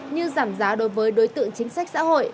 như giảm giá đối với đối tượng chính sách xã hội